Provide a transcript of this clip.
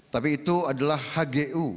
tapi itu adalah hgu